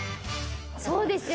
そうですよ。